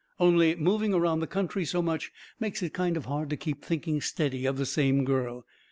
Only moving around the country so much makes it kind of hard to keep thinking steady of the same girl.